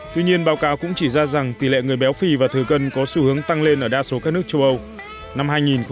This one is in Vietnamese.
tuy nhiên báo cáo cũng chỉ ra rằng tỷ lệ người béo phì và thừa cân có xu hướng tăng lên ở đa số các nước châu âu